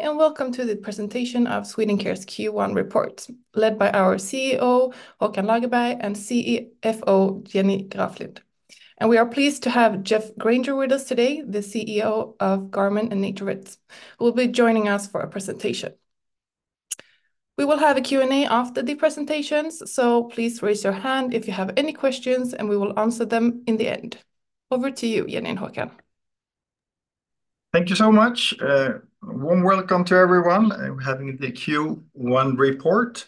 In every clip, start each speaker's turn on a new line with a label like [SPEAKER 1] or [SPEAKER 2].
[SPEAKER 1] Hi and welcome to the presentation of Swedencare's Q1 reports, led by our CEO Håkan Lagerberg and CFO Jenny Graflind. We are pleased to have Geoff Granger with us today, the CEO of Garmon and NaturVet, who will be joining us for a presentation. We will have a Q&A after the presentations, so please raise your hand if you have any questions, and we will answer them in the end. Over to you, Jenny and Håkan.
[SPEAKER 2] Thank you so much. Warm welcome to everyone. We're having the Q1 report,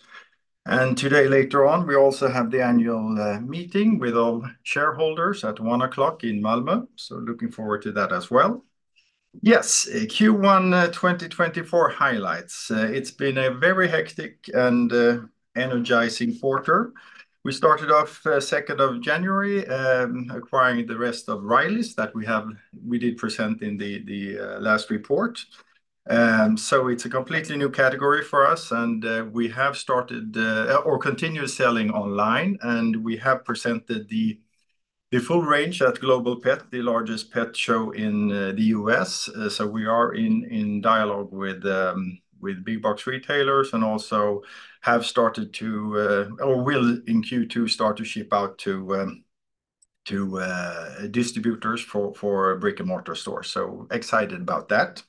[SPEAKER 2] and today later on we also have the annual meeting with all shareholders at 1 o'clock in Malmö, so looking forward to that as well. Yes, Q1 2024 highlights. It's been a very hectic and energizing quarter. We started off 2nd of January, acquiring the rest of Riley's that we have we did present in the last report. So it's a completely new category for us, and we have started, or continued selling online, and we have presented the full range at Global Pet, the largest pet show in the US. So we are in dialogue with big box retailers and also have started to, or will in Q2 start to ship out to distributors for brick-and-mortar stores. So excited about that.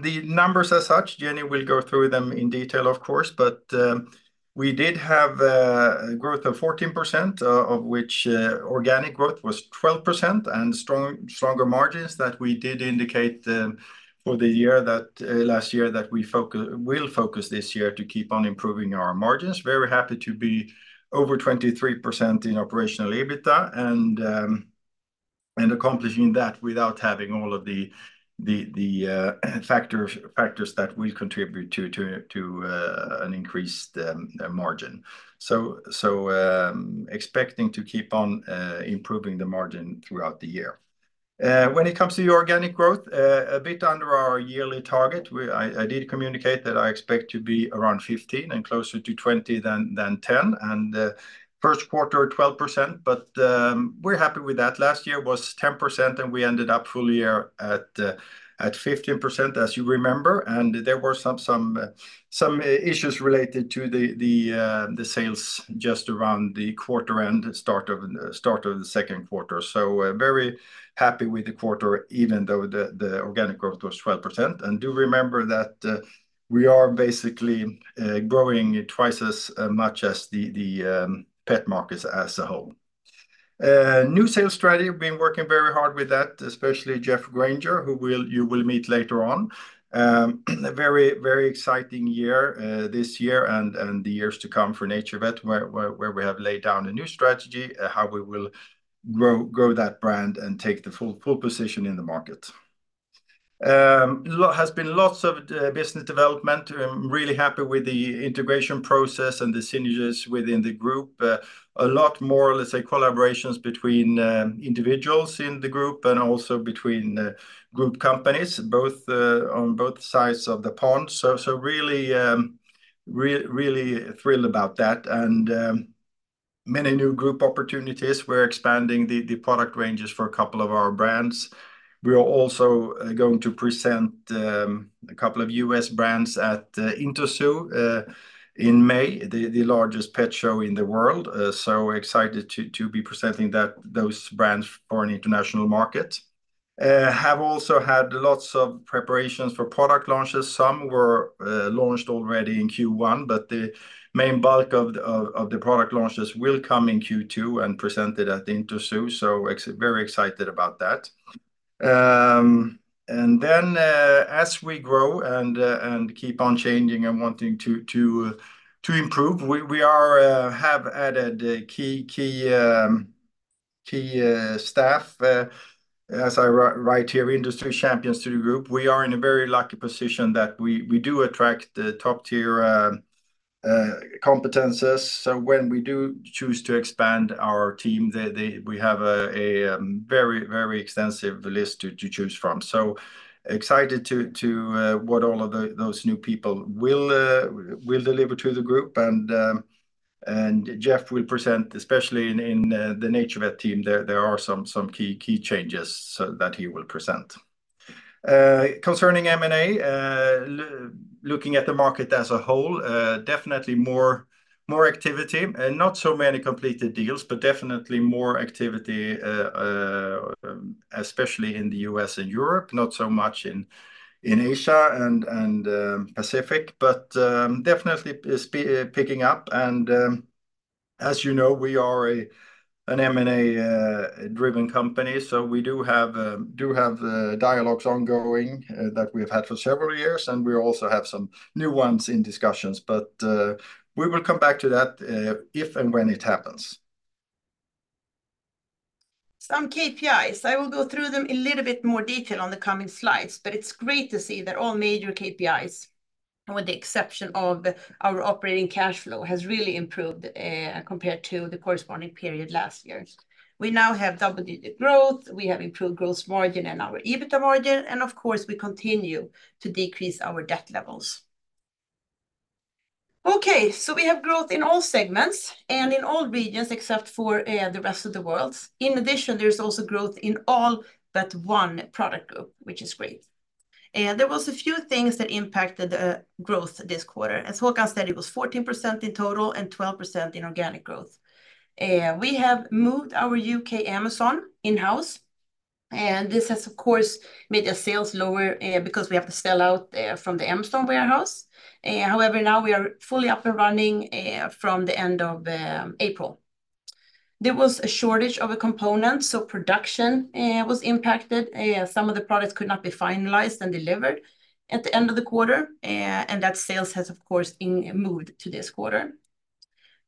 [SPEAKER 2] The numbers as such, Jenny, we'll go through them in detail, of course, but we did have a growth of 14%, of which organic growth was 12% and stronger margins that we did indicate for the year, that last year that we focus this year to keep on improving our margins. Very happy to be over 23% in operational EBITDA and accomplishing that without having all of the factors that will contribute to an increased margin. So, expecting to keep on improving the margin throughout the year. When it comes to the organic growth, a bit under our yearly target, we did communicate that I expect to be around 15 and closer to 20 than 10, and first quarter 12%, but we're happy with that. Last year was 10% and we ended up full year at 15% as you remember, and there were some issues related to the sales just around the quarter end, start of the second quarter. So, very happy with the quarter even though the organic growth was 12%. And do remember that we are basically growing twice as much as the pet markets as a whole. New sales strategy, we've been working very hard with that, especially Geoff Granger, who you will meet later on. Very exciting year, this year and the years to come for NaturVet where we have laid down a new strategy, how we will grow that brand and take the full position in the market. Has been lots of business development. I'm really happy with the integration process and the synergies within the group. A lot more, let's say, collaborations between individuals in the group and also between group companies, both on both sides of the pond. So really thrilled about that and many new group opportunities. We're expanding the product ranges for a couple of our brands. We are also going to present a couple of US brands at Interzoo in May, the largest pet show in the world. So excited to be presenting those brands for an international market. Have also had lots of preparations for product launches. Some were launched already in Q1, but the main bulk of the product launches will come in Q2 and presented at Interzoo, so very excited about that. And then, as we grow and keep on changing and wanting to improve, we have added key staff, as I write here, industry champions to the group. We are in a very lucky position that we do attract the top-tier competencies. So when we do choose to expand our team, we have a very extensive list to choose from. So excited to see what all those new people will deliver to the group and Geoff will present, especially in the NaturVet team, there are some key changes so that he will present. Concerning M&A, looking at the market as a whole, definitely more activity and not so many completed deals, but definitely more activity, especially in the US and Europe, not so much in Asia and Pacific, but definitely speeding up. As you know, we are an M&A-driven company, so we do have dialogues ongoing that we have had for several years, and we also have some new ones in discussions, but we will come back to that if and when it happens.
[SPEAKER 3] Some KPIs. I will go through them in a little bit more detail on the coming slides, but it's great to see that all major KPIs, with the exception of our operating cash flow, have really improved, compared to the corresponding period last year. We now have doubled the growth, we have improved growth margin and our EBITDA margin, and of course we continue to decrease our debt levels. Okay, so we have growth in all segments and in all regions except for the rest of the world. In addition, there's also growth in all but one product group, which is great. There were a few things that impacted growth this quarter. As Håkan said, it was 14% in total and 12% in organic growth. We have moved our UK Amazon in-house, and this has, of course, made sales lower, because we have to sell out from the Amazon warehouse. However, now we are fully up and running from the end of April. There was a shortage of a component, so production was impacted. Some of the products could not be finalized and delivered at the end of the quarter, and that sales has, of course, moved to this quarter.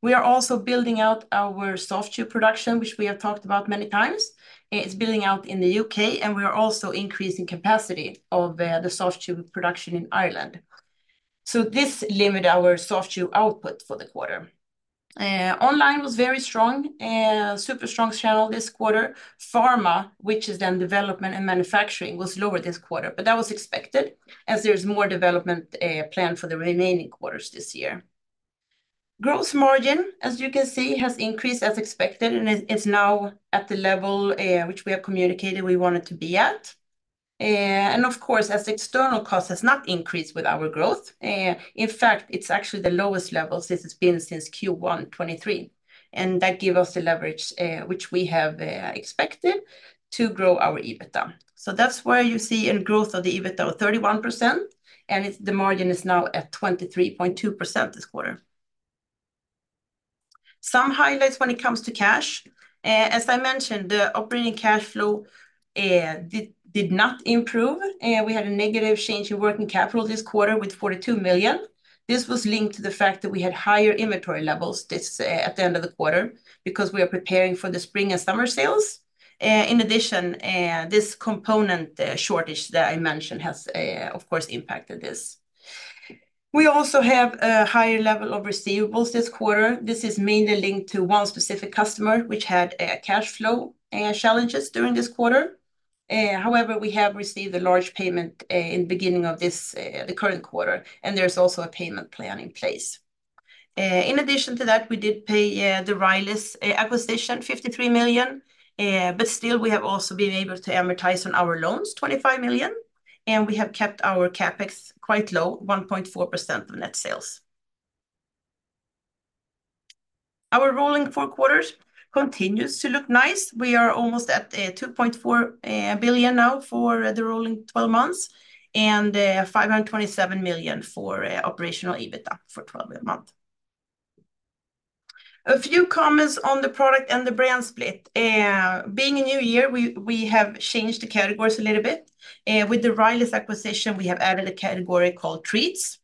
[SPEAKER 3] We are also building out our soft chew production, which we have talked about many times. It's building out in the UK, and we are also increasing capacity of the soft chew production in Ireland. So this limited our soft chew output for the quarter. Online was very strong, super strong channel this quarter. Pharma, which is then development and manufacturing, was lower this quarter, but that was expected as there's more development planned for the remaining quarters this year. Gross margin, as you can see, has increased as expected, and it's now at the level which we have communicated we wanted to be at. Of course, as external costs have not increased with our growth, in fact, it's actually the lowest level since it's been since Q1 2023, and that gives us the leverage which we have expected to grow our EBITDA. So that's why you see a growth of the EBITDA of 31%, and it's the margin is now at 23.2% this quarter. Some highlights when it comes to cash. As I mentioned, the operating cash flow did not improve. We had a negative change in working capital this quarter with 42 million. This was linked to the fact that we had higher inventory levels this at the end of the quarter because we are preparing for the spring and summer sales. In addition, this component shortage that I mentioned has, of course, impacted this. We also have a higher level of receivables this quarter. This is mainly linked to one specific customer, which had cash flow challenges during this quarter. However, we have received a large payment in the beginning of the current quarter, and there's also a payment plan in place. In addition to that, we did pay the Riley's acquisition 53 million, but still we have also been able to amortize on our loans 25 million, and we have kept our CapEx quite low, 1.4% of net sales. Our rolling four quarters continues to look nice. We are almost at 2.4 billion now for the rolling 12 months and 527 million for operational EBITDA for 12 months. A few comments on the product and the brand split. Being a new year, we have changed the categories a little bit. With the Riley's acquisition, we have added a category called Treats,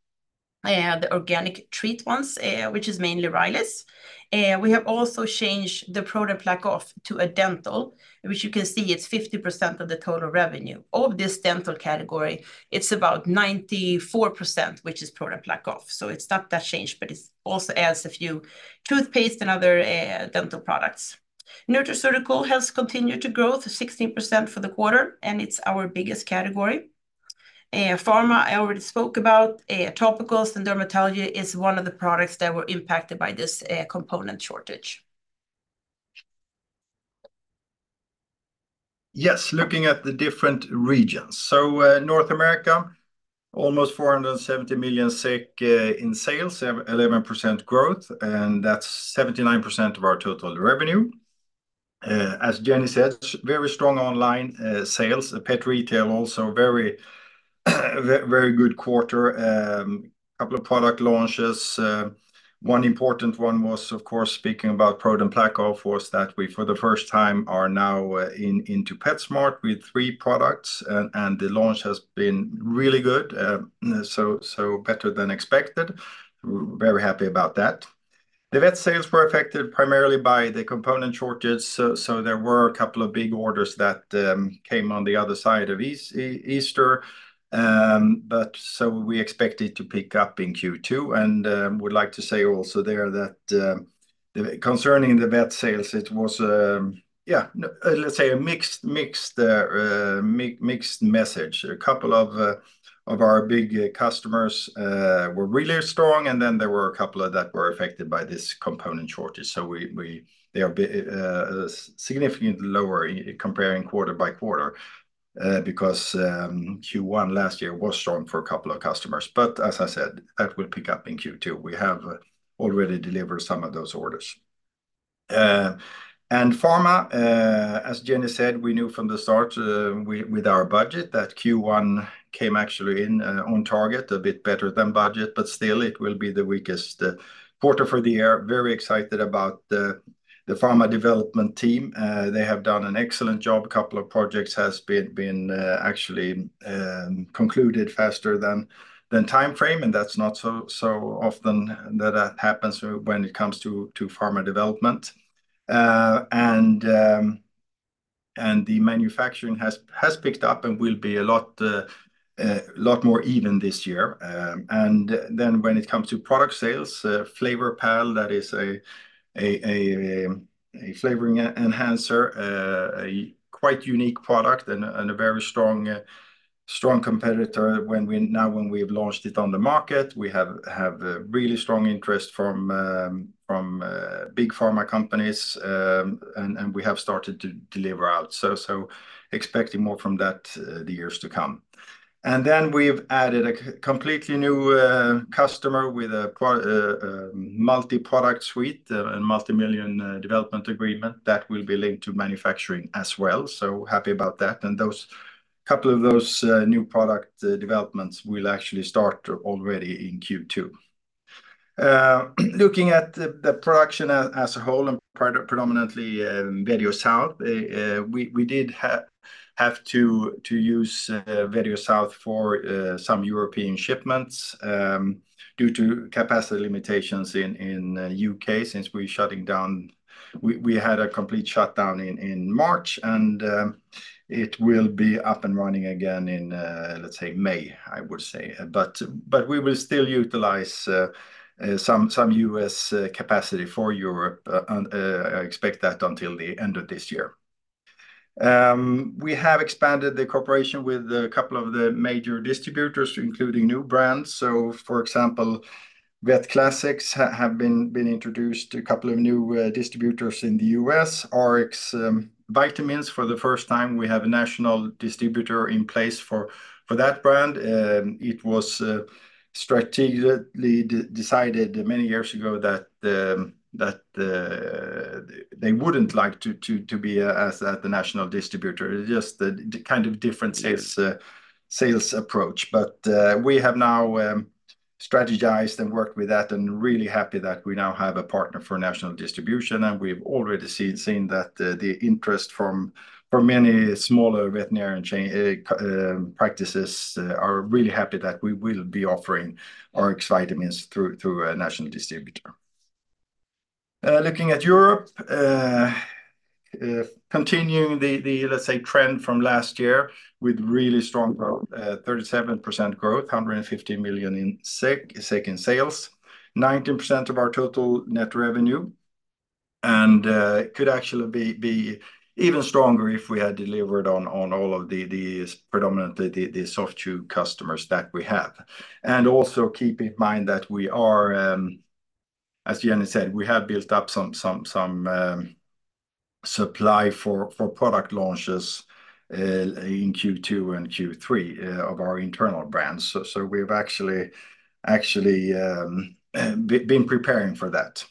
[SPEAKER 3] the organic treat ones, which is mainly Riley's. We have also changed the product PlaqueOff to a dental, which you can see it's 50% of the total revenue. Of this dental category, it's about 94%, which is product PlaqueOff. So it's not that changed, but it also adds a few toothpaste and other dental products. Nutraceutical has continued to grow, 16% for the quarter, and it's our biggest category. Pharma I already spoke about, topicals and dermatology is one of the products that were impacted by this component shortage.
[SPEAKER 2] Yes, looking at the different regions. So, North America, almost 470 million in sales, 11% growth, and that's 79% of our total revenue. As Jenny said, very strong online sales, pet retail also very, very good quarter. A couple of product launches, one important one was, of course, speaking about product PlaqueOff was that we for the first time are now into PetSmart with 3 products, and the launch has been really good, so better than expected. Very happy about that. The vet sales were affected primarily by the component shortage, so there were a couple of big orders that came on the other side of Easter, but we expected to pick up in Q2 and would like to say also there that concerning the vet sales, it was, yeah, let's say a mixed message. A couple of our big customers were really strong and then there were a couple of that were affected by this component shortage. So they are big, significantly lower comparing quarter by quarter, because Q1 last year was strong for a couple of customers. But as I said, that will pick up in Q2. We have already delivered some of those orders. Pharma, as Jenny said, we knew from the start, with our budget that Q1 came actually in on target, a bit better than budget, but still it will be the weakest quarter for the year. Very excited about the pharma development team. They have done an excellent job. A couple of projects has been actually concluded faster than timeframe, and that's not so often that happens when it comes to pharma development. The manufacturing has picked up and will be a lot more even this year. And then when it comes to product sales, FlavorPal, that is a flavoring enhancer, a quite unique product and a very strong competitor. Now when we have launched it on the market, we have a really strong interest from big pharma companies, and we have started to deliver out. So expecting more from that in the years to come. And then we've added a completely new customer with a multi-product suite and multi-million development agreement that will be linked to manufacturing as well. So happy about that. And a couple of those new product developments will actually start already in Q2. Looking at the production as a whole and predominantly the US, we did have to use the US for some European shipments due to capacity limitations in the UK since we're shutting down. We had a complete shutdown in March and it will be up and running again in, let's say May, I would say. But we will still utilize some US capacity for Europe and I expect that until the end of this year. We have expanded the cooperation with a couple of the major distributors, including new brands. So, for example, Vet Classics have been introduced to a couple of new distributors in the US. Rx Vitamins, for the first time, we have a national distributor in place for that brand. It was strategically decided many years ago that they wouldn't like to be as the national distributor. It's just the kind of different sales approach. But we have now strategized and worked with that and really happy that we now have a partner for national distribution and we've already seen that the interest from many smaller veterinarian chain practices are really happy that we will be offering Rx Vitamins through a national distributor. Looking at Europe, continuing the let's say trend from last year with really strong 37% growth, 150 million SEK in sales, 19% of our total net revenue, and could actually be even stronger if we had delivered on all of the predominantly the soft chew customers that we have. And also keep in mind that we are, as Jenny said, we have built up some supply for product launches in Q2 and Q3 of our internal brands. So we have actually been preparing for that.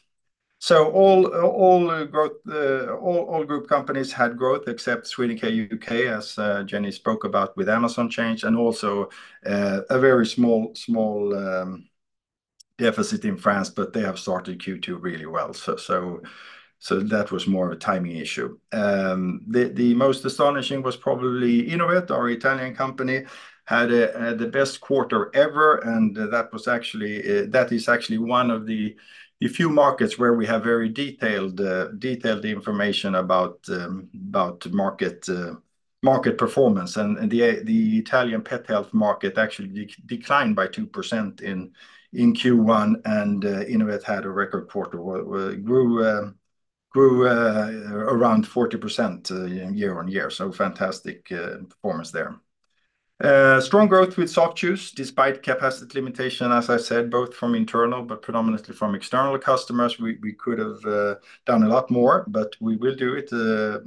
[SPEAKER 2] So all growth, all group companies had growth except Swedencare UK, as Jenny spoke about with Amazon change, and also a very small deficit in France, but they have started Q2 really well. So that was more of a timing issue. The most astonishing was probably Innovet, our Italian company, had the best quarter ever, and that is actually one of the few markets where we have very detailed information about market performance. The Italian pet health market actually declined by 2% in Q1, and Innovet had a record quarter, grew around 40% year-on-year. So fantastic performance there. Strong growth with soft chews despite capacity limitation, as I said, both from internal but predominantly from external customers. We could have done a lot more, but we will do it in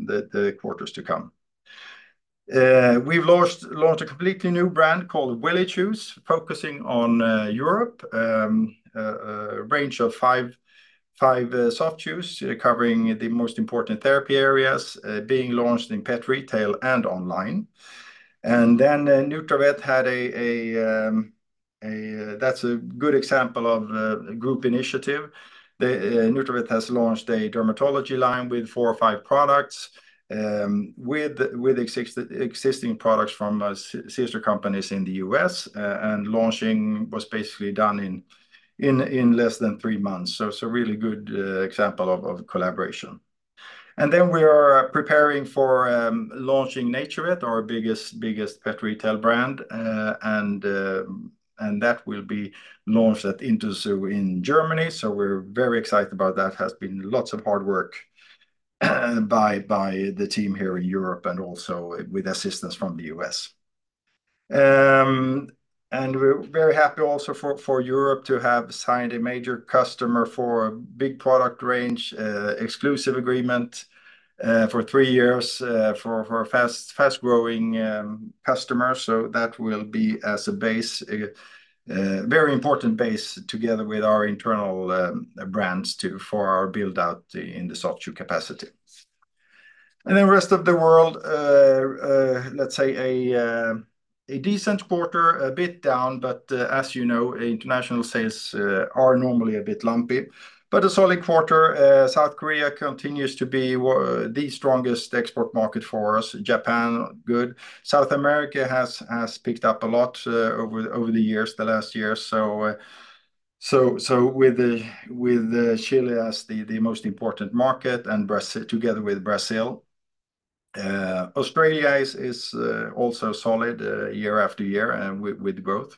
[SPEAKER 2] the quarters to come. We've launched a completely new brand called WelliChews, focusing on Europe, a range of 5 soft chews covering the most important therapy areas, being launched in pet retail and online. And then Nutravet had a, that's a good example of a group initiative. Nutravet has launched a dermatology line with four or five products, with existing products from sister companies in the US, and launching was basically done in less than three months. So really good example of collaboration. And then we are preparing for launching NaturVet, our biggest pet retail brand, and that will be launched at Interzoo in Germany. So we're very excited about that. Has been lots of hard work by the team here in Europe and also with assistance from the US. And we're very happy also for Europe to have signed a major customer for a big product range, exclusive agreement, for three years, for fast growing customers. So that will be as a base, very important base together with our internal brands too for our build-out in the soft chew capacity. Then rest of the world, let's say a decent quarter, a bit down, but as you know, international sales are normally a bit lumpy. But a solid quarter. South Korea continues to be the strongest export market for us. Japan good. South America has picked up a lot, over the years, the last year. So with the, with Chile as the most important market and together with Brazil, Australia is also solid, year after year and with growth.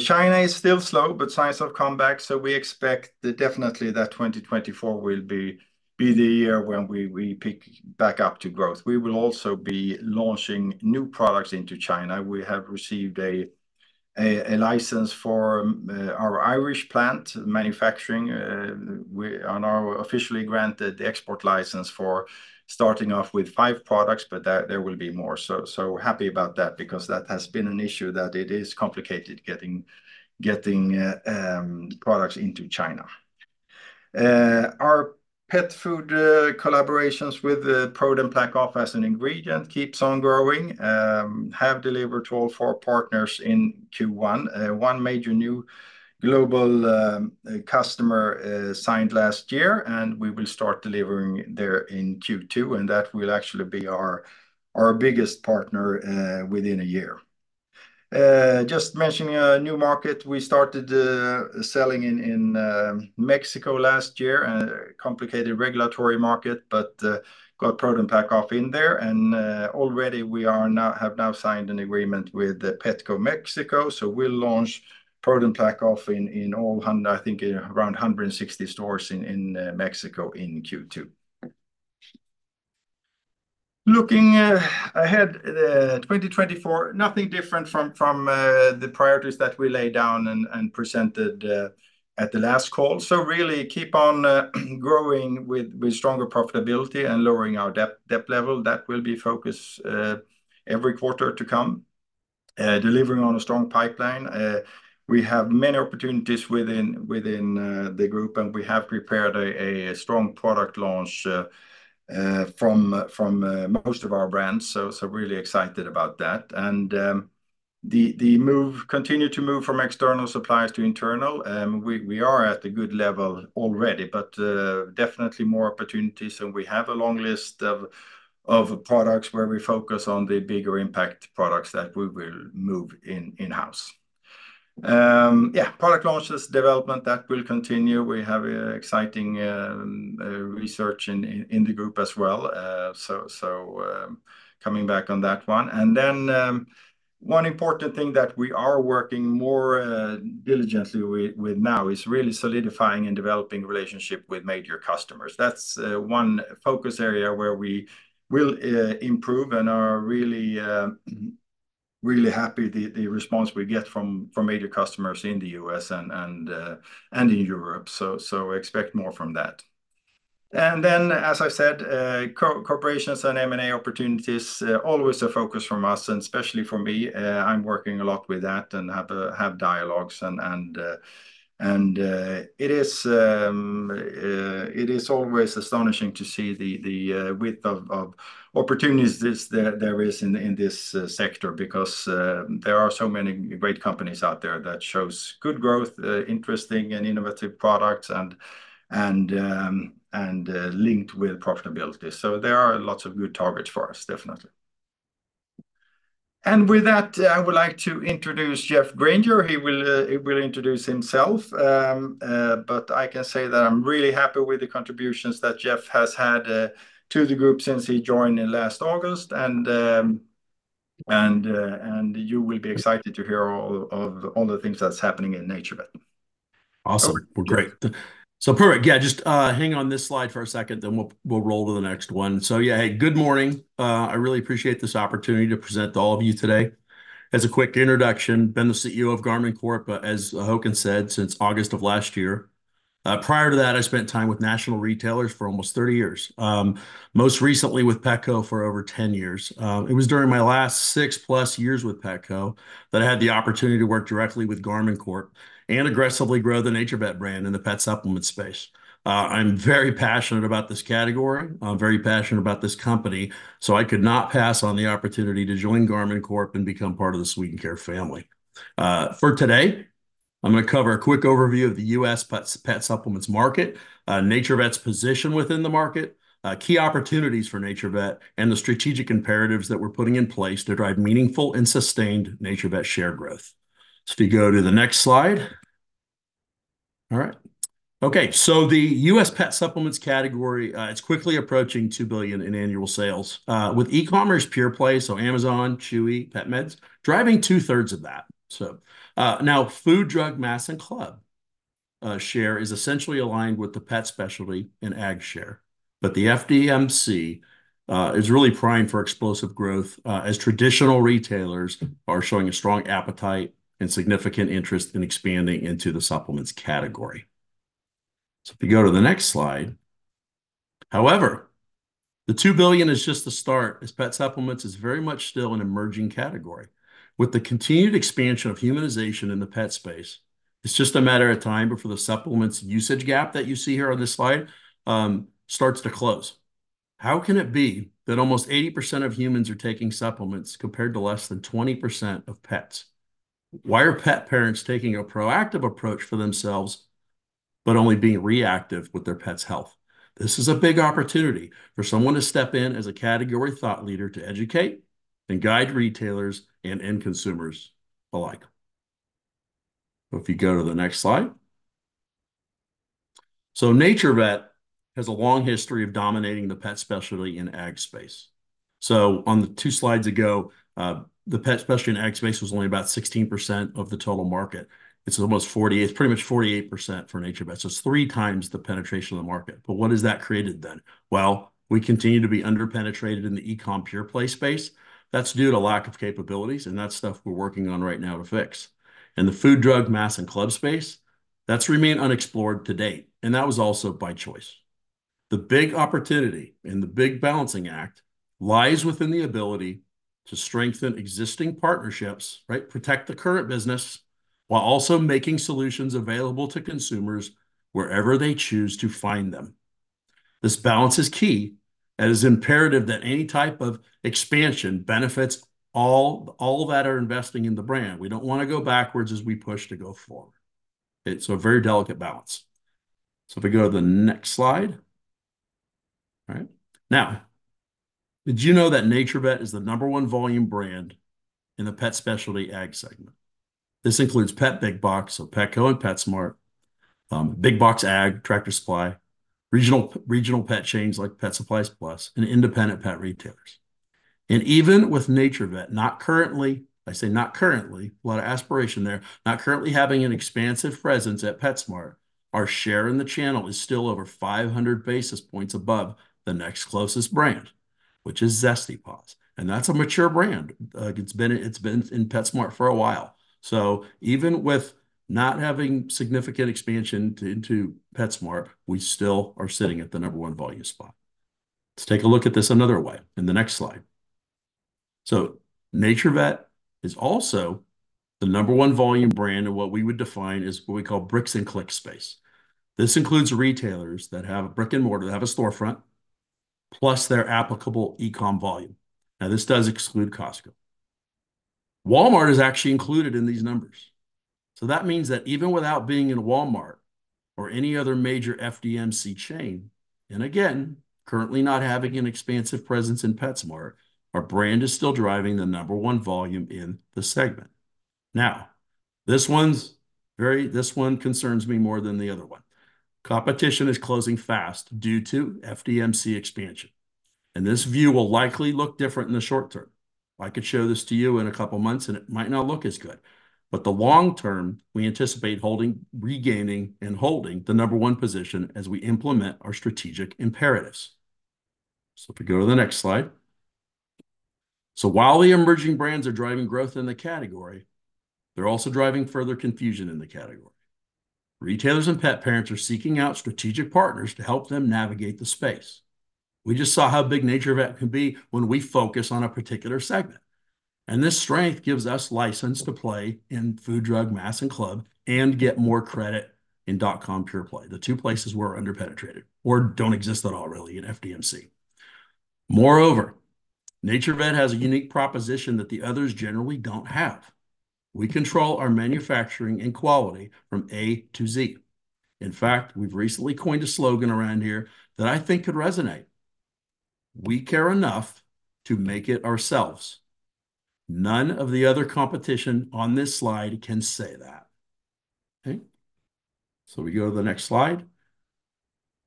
[SPEAKER 2] China is still slow, but signs of comeback. So we expect definitely that 2024 will be the year when we pick back up to growth. We will also be launching new products into China. We have received a license for our Irish plant manufacturing. We were officially granted the export license for starting off with 5 products, but there will be more. So happy about that because that has been an issue that it is complicated getting products into China. Our pet food collaborations with the product ProDen PlaqueOff as an ingredient keeps on growing, have delivered to all 4 partners in Q1. One major new global customer signed last year and we will start delivering there in Q2 and that will actually be our biggest partner within a year. Just mentioning a new market, we started selling in Mexico last year, a complicated regulatory market, but got ProDen PlaqueOff in there and already we have signed an agreement with Petco Mexico. So we'll launch ProDen PlaqueOff in all 100, I think around 160 stores in Mexico in Q2. Looking ahead, 2024, nothing different from the priorities that we laid down and presented at the last call. So really keep on growing with stronger profitability and lowering our debt level. That will be focus every quarter to come, delivering on a strong pipeline. We have many opportunities within the group and we have prepared a strong product launch from most of our brands. So really excited about that. And the move continue to move from external suppliers to internal. We are at a good level already, but definitely more opportunities and we have a long list of products where we focus on the bigger impact products that we will move in-house. Yeah, product launches development that will continue. We have an exciting research in the group as well. So coming back on that one. Then one important thing that we are working more diligently with now is really solidifying and developing relationship with major customers. That's one focus area where we will improve and are really really happy the response we get from major customers in the U.S. and in Europe. So expect more from that. Then as I said, corporations and M&A opportunities always a focus for us and especially for me. I'm working a lot with that and have dialogues and it is always astonishing to see the width of opportunities there is in this sector because there are so many great companies out there that shows good growth, interesting and innovative products and linked with profitability. So there are lots of good targets for us, definitely. And with that, I would like to introduce Geoff Granger. He will introduce himself. But I can say that I'm really happy with the contributions that Geoff has had to the group since he joined in last August and you will be excited to hear all the things that's happening in NaturVet.
[SPEAKER 4] Awesome. Well, great. So perfect. Yeah, just hang on this slide for a second, then we'll roll to the next one. So yeah, hey, good morning. I really appreciate this opportunity to present to all of you today. As a quick introduction, been the CEO of Garmon Corp, but as Håkan said, since August of last year. Prior to that, I spent time with national retailers for almost 30 years, most recently with Petco for over 10 years. It was during my last 6+ years with Petco that I had the opportunity to work directly with Garmon Corp and aggressively grow the NaturVet brand in the pet supplements space. I'm very passionate about this category. I'm very passionate about this company. So I could not pass on the opportunity to join Garmon Corp and become part of the Swedencare family. For today, I'm going to cover a quick overview of the US pet supplements market, NaturVet's position within the market, key opportunities for NaturVet, and the strategic imperatives that we're putting in place to drive meaningful and sustained NaturVet share growth. So if you go to the next slide. All right. Okay. So the US pet supplements category, it's quickly approaching $2 billion in annual sales, with e-commerce pure play, so Amazon, Chewy, PetMeds, driving two-thirds of that. So, now Food, Drug, Mass, and Club, share is essentially aligned with the pet specialty and Ag share. But the FDMC, is really poised for explosive growth, as traditional retailers are showing a strong appetite and significant interest in expanding into the supplements category. So if you go to the next slide. However, the $2 billion is just the start as pet supplements is very much still an emerging category. With the continued expansion of humanization in the pet space, it's just a matter of time before the supplements usage gap that you see here on this slide starts to close. How can it be that almost 80% of humans are taking supplements compared to less than 20% of pets? Why are pet parents taking a proactive approach for themselves, but only being reactive with their pets' health? This is a big opportunity for someone to step in as a category thought leader to educate and guide retailers and end consumers alike. So if you go to the next slide. So NaturVet has a long history of dominating the pet specialty in Ag space. So on the two slides ago, the pet specialty in Ag space was only about 16% of the total market. It's almost 48%, it's pretty much 48% for NaturVet. So it's 3 times the penetration of the market. But what has that created then? Well, we continue to be underpenetrated in the e-commerce pure play space. That's due to lack of capabilities and that's stuff we're working on right now to fix. And the Food, Drug, Mass, and Club space, that's remained unexplored to date. And that was also by choice. The big opportunity and the big balancing act lies within the ability to strengthen existing partnerships, right? Protect the current business while also making solutions available to consumers wherever they choose to find them. This balance is key. It is imperative that any type of expansion benefits all, all that are investing in the brand. We don't want to go backwards as we push to go forward. It's a very delicate balance. So if we go to the next slide. All right. Now, did you know that NaturVet is the number one volume brand in the pet specialty Ag segment? This includes pet big box, so Petco and PetSmart, big box Ag, Tractor Supply, regional, regional pet chains like Pet Supplies Plus, and independent pet retailers. Even with NaturVet, not currently, I say not currently, a lot of aspiration there, not currently having an expansive presence at PetSmart, our share in the channel is still over 500 basis points above the next closest brand, which is Zesty Paws. And that's a mature brand. It's been, it's been in PetSmart for a while. So even with not having significant expansion to into PetSmart, we still are sitting at the number one volume spot. Let's take a look at this another way in the next slide. So NaturVet is also the number one volume brand of what we would define as what we call bricks-and-clicks space. This includes retailers that have a brick-and-mortar, that have a storefront, plus their applicable e-comm volume. Now this does exclude Costco. Walmart is actually included in these numbers. So that means that even without being in Walmart or any other major FDMC chain, and again, currently not having an expansive presence in PetSmart, our brand is still driving the number one volume in the segment. Now, this one concerns me more than the other one. Competition is closing fast due to FDMC expansion. This view will likely look different in the short term. I could show this to you in a couple of months and it might not look as good. But the long term, we anticipate holding, regaining, and holding the number one position as we implement our strategic imperatives. If we go to the next slide. While the emerging brands are driving growth in the category, they're also driving further confusion in the category. Retailers and pet parents are seeking out strategic partners to help them navigate the space. We just saw how big NaturVet can be when we focus on a particular segment. This strength gives us license to play in Food, Drug, Mass, and Club and get more credit in dot-com pure play, the two places where we're underpenetrated or don't exist at all really in FDMC. Moreover, NaturVet has a unique proposition that the others generally don't have. We control our manufacturing and quality from A to Z. In fact, we've recently coined a slogan around here that I think could resonate. We care enough to make it ourselves. None of the other competition on this slide can say that. Okay. So we go to the next slide.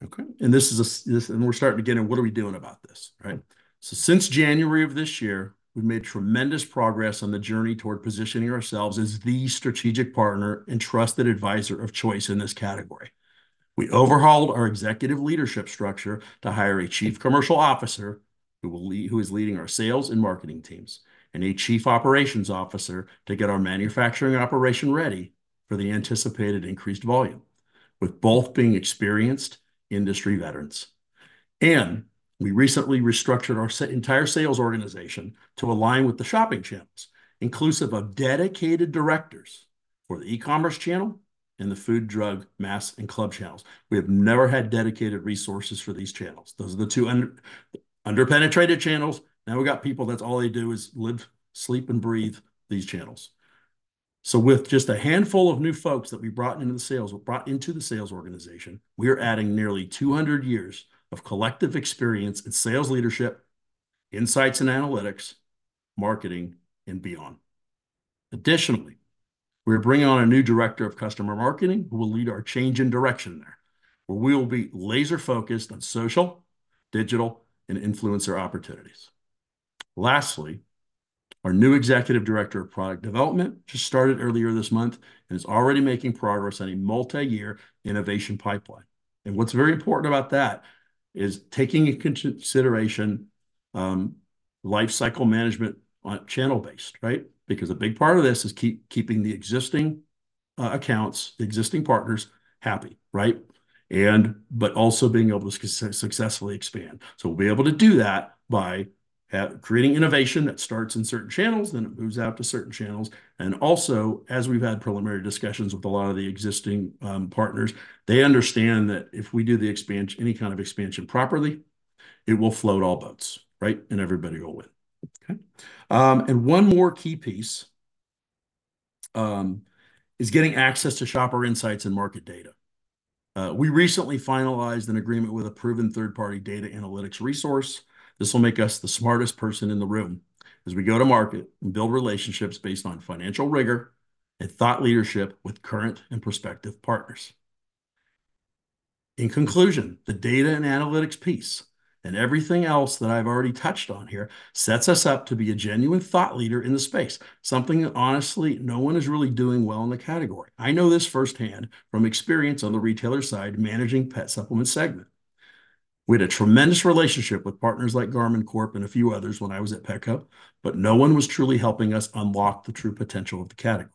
[SPEAKER 4] Okay. And this is a, this, and we're starting to get in, what are we doing about this? Right. So since January of this year, we've made tremendous progress on the journey toward positioning ourselves as the strategic partner and trusted advisor of choice in this category. We overhauled our executive leadership structure to hire a Chief Commercial Officer who will lead, who is leading our sales and marketing teams and a Chief Operations Officer to get our manufacturing operation ready for the anticipated increased volume, with both being experienced industry veterans. We recently restructured our entire sales organization to align with the shopping channels, inclusive of dedicated directors for the e-commerce channel and the food, drug, mass, and club channels. We have never had dedicated resources for these channels. Those are the two underpenetrated channels. Now we've got people that's all they do is live, sleep, and breathe these channels. So with just a handful of new folks that we brought into the sales, we brought into the sales organization, we are adding nearly 200 years of collective experience in sales leadership, insights and analytics, marketing, and beyond. Additionally, we are bringing on a new director of customer marketing who will lead our change in direction there, where we will be laser-focused on social, digital, and influencer opportunities. Lastly, our new executive director of product development just started earlier this month and is already making progress on a multi-year innovation pipeline. And what's very important about that is taking into consideration, lifecycle management on channel-based, right? Because a big part of this is keeping the existing accounts, the existing partners happy, right? But also being able to successfully expand. So we'll be able to do that by creating innovation that starts in certain channels, then it moves out to certain channels. And also, as we've had preliminary discussions with a lot of the existing partners, they understand that if we do the expansion, any kind of expansion properly, it will float all boats, right? And everybody will win. Okay. One more key piece is getting access to shopper insights and market data. We recently finalized an agreement with a proven third-party data analytics resource. This will make us the smartest person in the room as we go to market and build relationships based on financial rigor and thought leadership with current and prospective partners. In conclusion, the data and analytics piece and everything else that I've already touched on here sets us up to be a genuine thought leader in the space, something that honestly no one is really doing well in the category. I know this firsthand from experience on the retailer side managing pet supplements segment. We had a tremendous relationship with partners like Garmon Corp. and a few others when I was at Petco, but no one was truly helping us unlock the true potential of the category.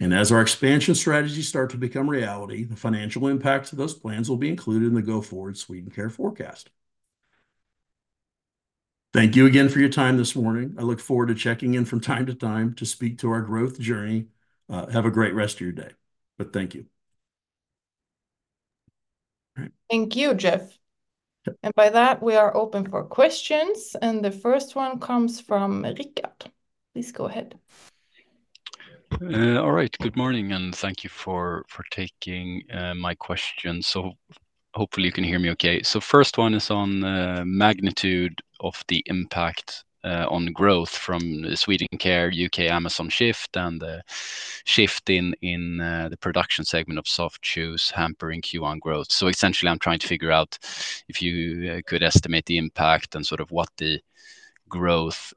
[SPEAKER 4] As our expansion strategies start to become reality, the financial impacts of those plans will be included in the go-forward Swedencare forecast. Thank you again for your time this morning. I look forward to checking in from time to time to speak to our growth journey. Have a great rest of your day. But thank you.
[SPEAKER 1] All right. Thank you, Geoff. By that, we are open for questions. The first one comes from Rickard. Please go ahead.
[SPEAKER 5] All right. Good morning. Thank you for taking my question. So hopefully you can hear me okay. So first one is on the magnitude of the impact on growth from the Swedencare UK Amazon shift and the shift in the production segment of soft chews hampering Q1 growth. So essentially, I'm trying to figure out if you could estimate the impact and sort of what the growth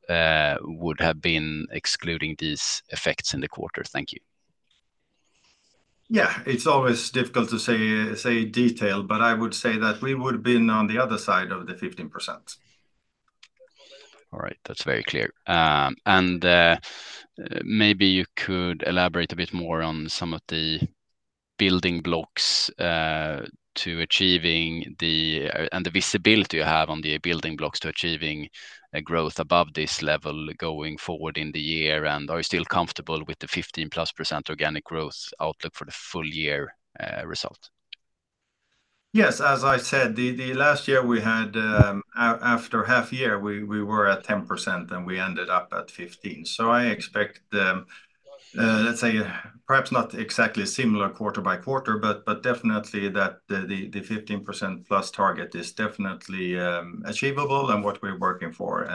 [SPEAKER 5] would have been excluding these effects in the quarter. Thank you.
[SPEAKER 2] Yeah, it's always difficult to say in detail, but I would say that we would have been on the other side of the 15%.
[SPEAKER 5] All right. That's very clear. Maybe you could elaborate a bit more on some of the building blocks to achieving the and the visibility you have on the building blocks to achieving growth above this level going forward in the year? Are you still comfortable with the 15%+ organic growth outlook for the full year result?
[SPEAKER 2] Yes. As I said, the last year we had, after half a year, we were at 10% and we ended up at 15%. So I expect, let's say, perhaps not exactly similar quarter by quarter, but definitely that the 15%+ target is definitely achievable and what we're working for.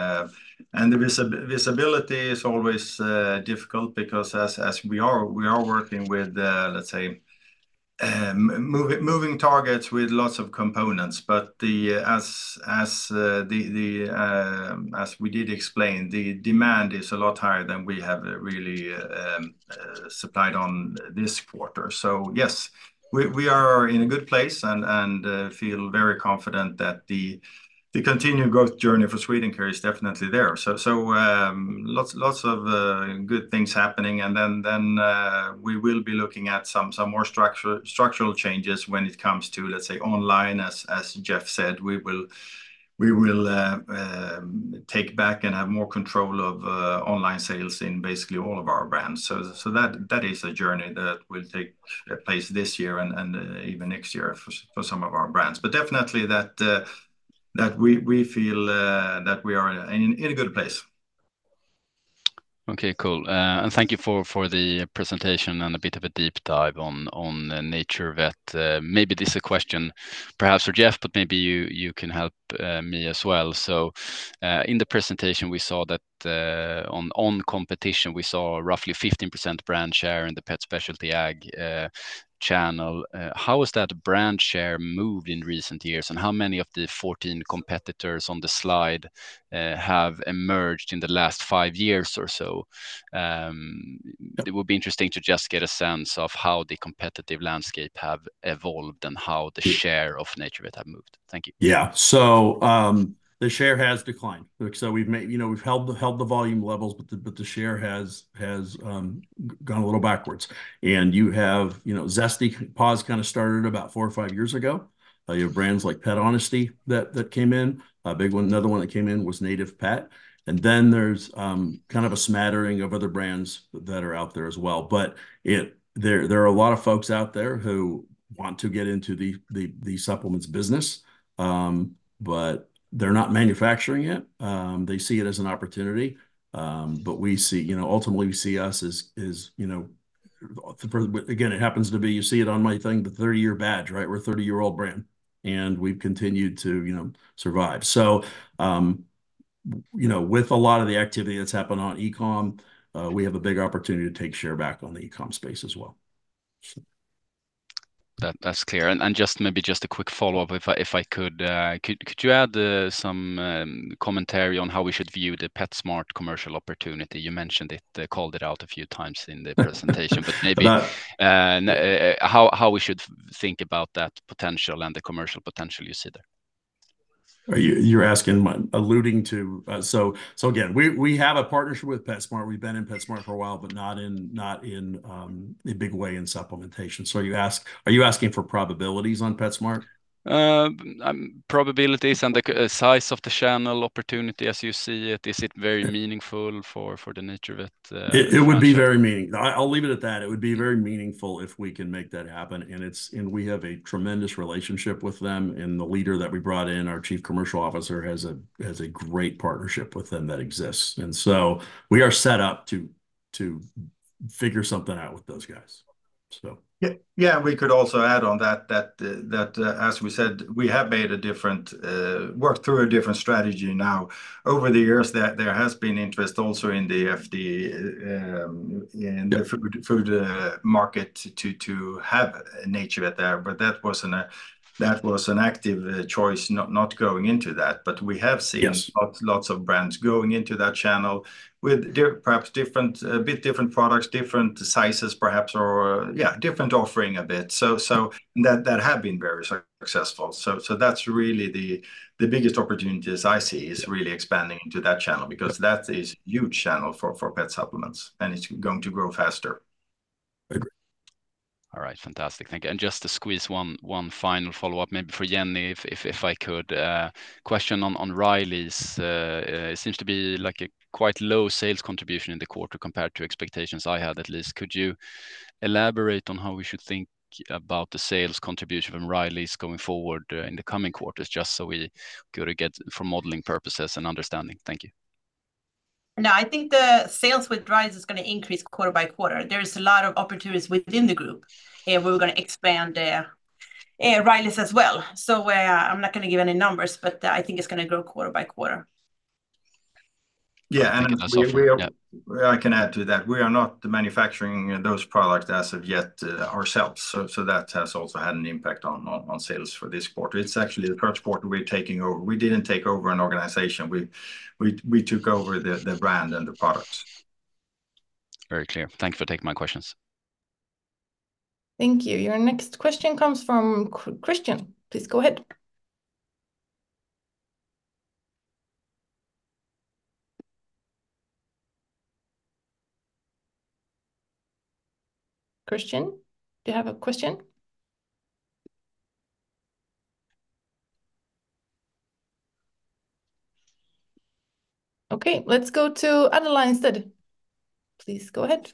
[SPEAKER 2] The visibility is always difficult because as we are working with, let's say, moving targets with lots of components, but as we did explain, the demand is a lot higher than we have really supplied on this quarter. So yes, we are in a good place and feel very confident that the continual growth journey for Swedencare is definitely there. So lots of good things happening. And then we will be looking at some more structural changes when it comes to, let's say, online. As Geoff said, we will take back and have more control of online sales in basically all of our brands. So that is a journey that will take place this year and even next year for some of our brands. But definitely that we feel that we are in a good place.
[SPEAKER 5] Okay. Cool. And thank you for the presentation and a bit of a deep dive on NaturVet. Maybe this is a question, perhaps for Geoff, but maybe you can help me as well. So in the presentation, we saw that on competition, we saw roughly 15% brand share in the pet specialty Ag channel. How has that brand share moved in recent years? And how many of the 14 competitors on the slide have emerged in the last five years or so? It would be interesting to just get a sense of how the competitive landscape has evolved and how the share of NaturVet has moved. Thank you.
[SPEAKER 4] Yeah. So the share has declined. So we've held the volume levels, but the share has gone a little backwards. And you have Zesty Paws kind of started about four or five years ago. You have brands like Pet Honesty that came in. Another one that came in was Native Pet. And then there's kind of a smattering of other brands that are out there as well. But there are a lot of folks out there who want to get into the supplements business, but they're not manufacturing it. They see it as an opportunity. But we see, ultimately, we see us as, again, it happens to be, you see it on my thing, the 30-year badge, right? We're a 30-year-old brand. And we've continued to survive. So with a lot of the activity that's happened on e-comm, we have a big opportunity to take share back on the e-comm space as well.
[SPEAKER 5] That's clear. And just maybe just a quick follow-up if I could, could you add some commentary on how we should view the PetSmart commercial opportunity? You mentioned it, called it out a few times in the presentation, but maybe how we should think about that potential and the commercial potential you see there.
[SPEAKER 4] You're alluding to it, so again, we have a partnership with PetSmart. We've been in PetSmart for a while, but not in a big way in supplementation. So are you asking for probabilities on PetSmart?
[SPEAKER 5] Probabilities and the size of the channel opportunity, as you see it, is it very meaningful for the NaturVet?
[SPEAKER 4] It would be very meaningful. I'll leave it at that. It would be very meaningful if we can make that happen. And we have a tremendous relationship with them. And the leader that we brought in, our Chief Commercial Officer, has a great partnership with them that exists. And so we are set up to figure something out with those guys.
[SPEAKER 2] Yeah. And we could also add on that, as we said, we have worked through a different strategy now. Over the years, there has been interest also in the food market to have NaturVet there. But that was an active choice not going into that. But we have seen lots of brands going into that channel with perhaps a bit different products, different sizes, perhaps, or, yeah, different offering a bit. So that had been very successful. So that's really the biggest opportunities I see is really expanding into that channel because that is a huge channel for pet supplements. And it's going to grow faster.
[SPEAKER 4] Agreed.
[SPEAKER 5] All right. Fantastic. Thank you. And just to squeeze one final follow-up, maybe for Jenny, if I could, question on Riley's. It seems to be like a quite low sales contribution in the quarter compared to expectations I had, at least. Could you elaborate on how we should think about the sales contribution from Riley's going forward in the coming quarters, just so we go to get for modeling purposes and understanding? Thank you.
[SPEAKER 3] No, I think the sales with Riley's is going to increase quarter by quarter. There's a lot of opportunities within the group where we're going to expand Riley's as well. So I'm not going to give any numbers, but I think it's going to grow quarter by quarter.
[SPEAKER 4] Yeah. And I can add to that. We are not manufacturing those products as of yet ourselves. So that has also had an impact on sales for this quarter. It's actually the first quarter we're taking over. We didn't take over an organization. We took over the brand and the products.
[SPEAKER 5] Very clear. Thank you for taking my questions.
[SPEAKER 1] Thank you. Your next question comes from Christian. Please go ahead. Christian, do you have a question? Okay. Let's go to Adela instead. Please go ahead.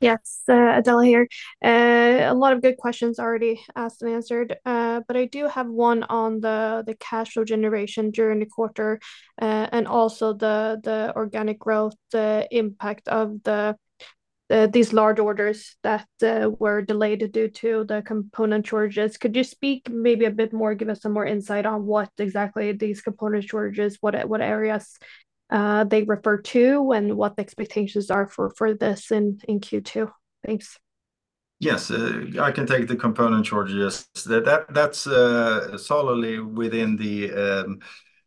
[SPEAKER 5] Yes. Adela here. A lot of good questions already asked and answered. But I do have one on the cash flow generation during the quarter and also the organic growth impact of these large orders that were delayed due to the component shortages. Could you speak maybe a bit more, give us some more insight on what exactly these component shortages, what areas they refer to, and what the expectations are for this in Q2? Thanks.
[SPEAKER 2] Yes. I can take the component shortages. That's solely within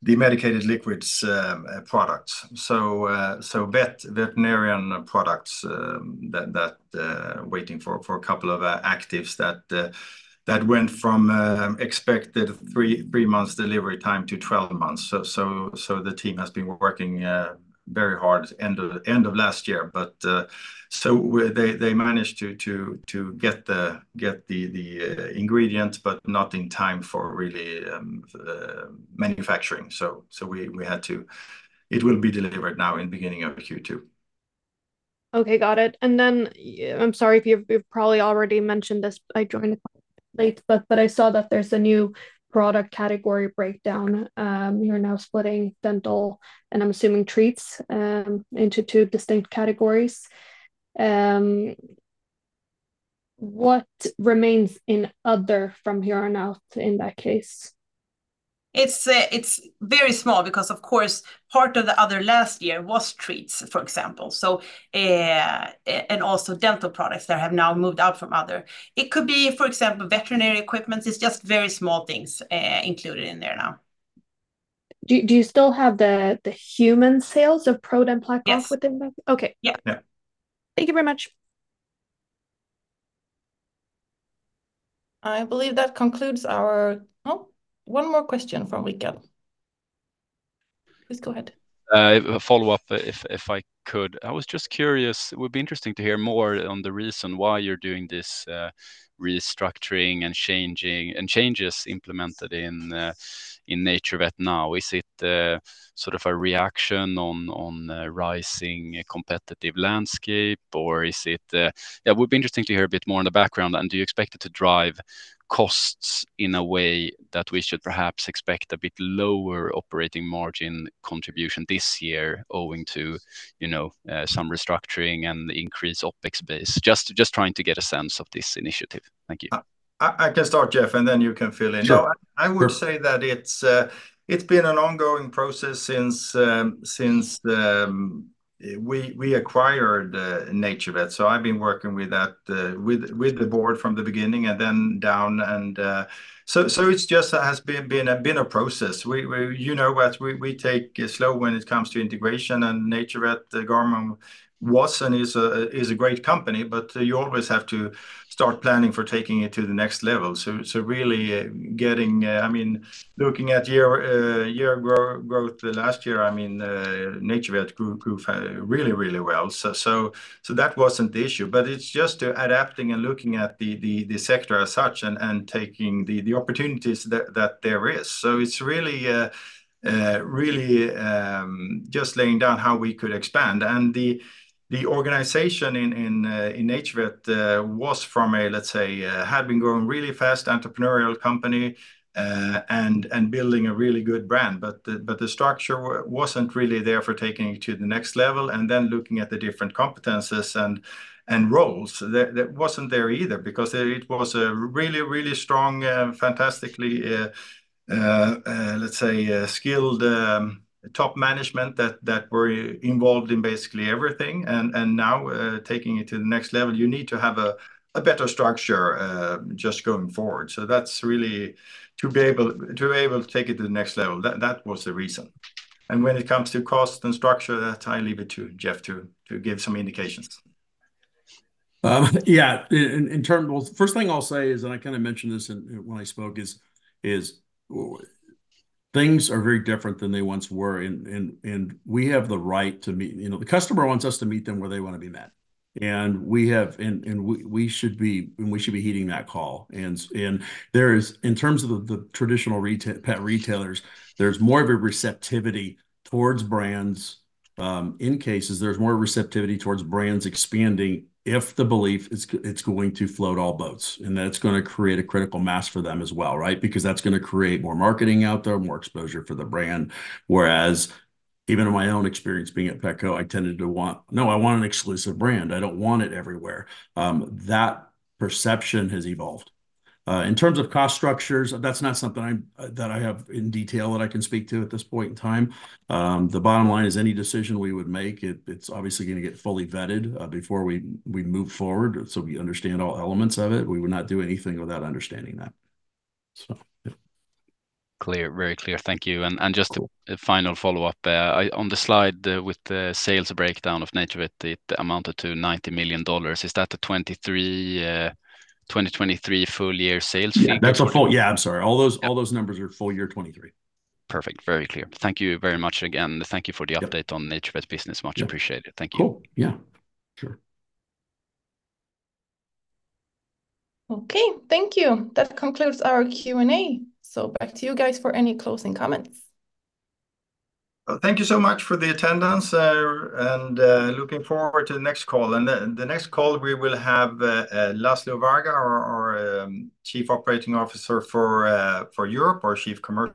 [SPEAKER 2] the medicated liquids products. So veterinarian products waiting for a couple of actives that went from expected 3-month delivery time to 12 months. So the team has been working very hard end of last year. But so they managed to get the ingredients, but not in time for really manufacturing. So it will be delivered now in the beginning of Q2.
[SPEAKER 5] Okay. Got it. And then I'm sorry if you've probably already mentioned this. I joined late, but I saw that there's a new product category breakdown. You're now splitting dental, and I'm assuming treats, into two distinct categories. What remains in other from here on out in that case?
[SPEAKER 3] It's very small because, of course, part of the other last year was treats, for example, and also dental products that have now moved out from other. It could be, for example, veterinary equipment. It's just very small things included in there now.
[SPEAKER 5] Do you still have the human sales of ProDen PlaqueOff within that?
[SPEAKER 3] Yes.
[SPEAKER 5] Okay. Yeah. Thank you very much.
[SPEAKER 1] I believe that concludes our oh, one more question from Rickard. Please go ahead.
[SPEAKER 5] Follow-up if I could. I was just curious. It would be interesting to hear more on the reason why you're doing this restructuring and changes implemented in NaturVet now. Is it sort of a reaction on rising competitive landscape, or is it yeah, it would be interesting to hear a bit more on the background? And do you expect it to drive costs in a way that we should perhaps expect a bit lower operating margin contribution this year owing to some restructuring and increased OPEX base? Just trying to get a sense of this initiative. Thank you.
[SPEAKER 2] I can start, Geoff, and then you can fill in. No, I would say that it's been an ongoing process since we acquired NaturVet. So I've been working with that with the board from the beginning and then down. And so it's just has been a process. You know what? We take it slow when it comes to integration. And NaturVet, Garmon, was and is a great company, but you always have to start planning for taking it to the next level. So really getting, I mean, looking at year growth last year, I mean, NaturVet grew really, really well. So that wasn't the issue. But it's just adapting and looking at the sector as such and taking the opportunities that there is. So it's really just laying down how we could expand. And the organization in NaturVet was from a, let's say, had been growing really fast entrepreneurial company and building a really good brand. But the structure wasn't really there for taking it to the next level and then looking at the different competencies and roles. It wasn't there either because it was a really, really strong, fantastically, let's say, skilled top management that were involved in basically everything. And now taking it to the next level, you need to have a better structure just going forward. So that's really to be able to take it to the next level. That was the reason. And when it comes to cost and structure, that I leave it to Geoff to give some indications.
[SPEAKER 4] Yeah. Well, the first thing I'll say is, and I kind of mentioned this when I spoke, is things are very different than they once were. And we have the right to meet the customer wants us to meet them where they want to be met. And we have and we should be and we should be heeding that call. And in terms of the traditional pet retailers, there's more of a receptivity towards brands. In cases, there's more receptivity towards brands expanding if the belief it's going to float all boats. And that's going to create a critical mass for them as well, right? Because that's going to create more marketing out there, more exposure for the brand. Whereas even in my own experience being at Petco, I tended to want no, I want an exclusive brand. I don't want it everywhere. That perception has evolved. In terms of cost structures, that's not something that I have in detail that I can speak to at this point in time. The bottom line is any decision we would make, it's obviously going to get fully vetted before we move forward so we understand all elements of it. We would not do anything without understanding that.
[SPEAKER 5] Clear. Very clear. Thank you. And just a final follow-up. On the slide with the sales breakdown of NaturVet, it amounted to $90 million. Is that the 2023 full-year sales figure?
[SPEAKER 4] Yeah. That's our full yeah. I'm sorry. All those numbers are full year 2023.
[SPEAKER 5] Perfect. Very clear. Thank you very much again. Thank you for the update on NaturVet business. Much appreciated. Thank you.
[SPEAKER 4] Cool. Yeah. Sure.
[SPEAKER 1] Okay. Thank you. That concludes our Q&A. So back to you guys for any closing comments.
[SPEAKER 2] Thank you so much for the attendance. And looking forward to the next call. And the next call, we will have Laszlo Varga, our Chief Commercial Officer for Europe.